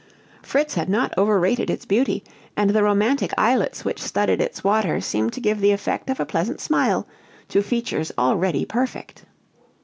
Fritz had not over rated its beauty, and the romantic islets which studded its waters seemed to give the effect of a pleasant smile to features already perfect.